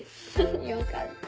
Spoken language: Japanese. よかった。